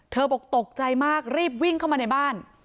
บอกตกใจมากรีบวิ่งเข้ามาในบ้าน